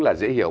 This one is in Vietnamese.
là dễ hiểu